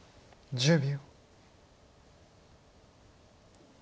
１０秒。